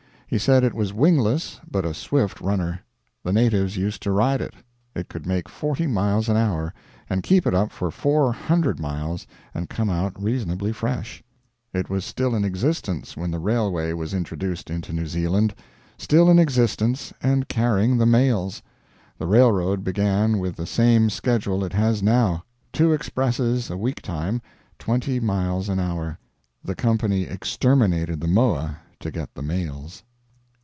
He said it was wingless, but a swift runner. The natives used to ride it. It could make forty miles an hour, and keep it up for four hundred miles and come out reasonably fresh. It was still in existence when the railway was introduced into New Zealand; still in existence, and carrying the mails. The railroad began with the same schedule it has now: two expresses a week time, twenty miles an hour. The company exterminated the moa to get the mails.